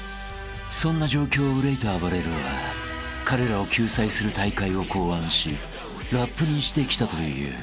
［そんな状況を憂いたあばれるは彼らを救済する大会を考案しラップにしてきたという］